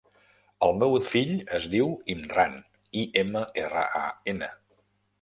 El meu fill es diu Imran: i, ema, erra, a, ena.